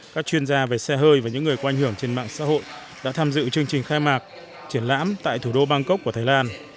các chuyên gia về xe hơi và những người có ảnh hưởng trên mạng xã hội đã tham dự chương trình khai mạc triển lãm tại thủ đô bangkok của thái lan